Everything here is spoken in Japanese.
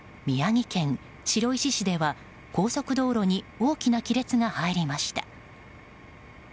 宮城県白石市では高速道路に大きな亀裂が入りました。